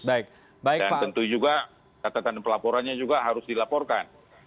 dan tentu juga kata kata pelaporannya juga harus dilaporkan